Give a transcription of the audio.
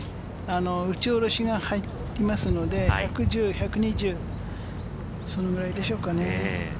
打ち下ろしが入りますので、１１０から１２０、そのぐらいでしょうかね。